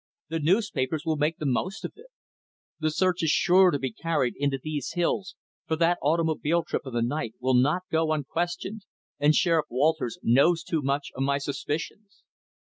The newspapers will make the most of it. The search is sure to be carried into these hills, for that automobile trip in the night will not go unquestioned, and Sheriff Walters knows too much of my suspicions.